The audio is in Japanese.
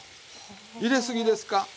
入れすぎですか？